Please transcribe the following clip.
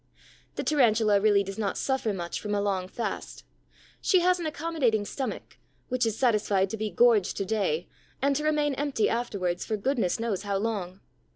The Tarantula really does not suffer much from a long fast. She has an accommodating stomach, which is satisfied to be gorged to day and to remain empty afterwards for goodness knows how long.